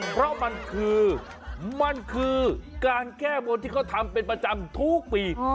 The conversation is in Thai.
เพราะมันคือมันคือการแก้บนที่เขาทำเป็นประจำทุกปี